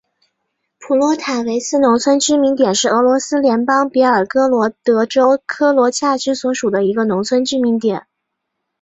普洛塔韦茨农村居民点是俄罗斯联邦别尔哥罗德州科罗恰区所属的一个农村居民点。